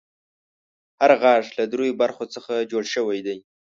هر غاښ له دریو برخو څخه جوړ شوی دی.